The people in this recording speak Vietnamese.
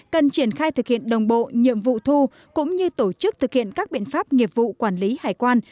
cần triển khai thực hiện đồng bộ nhiệm vụ thu cũng như tổ chức thực hiện các biện pháp nghiệp vụ quản lý hải quan